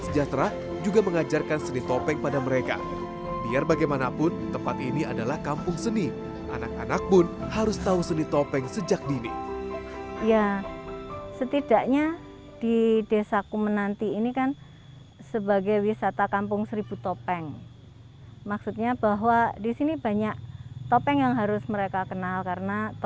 yang notabene tidak mungkin dia akan membeli masker